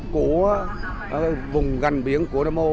của vùng gần biển của nam mô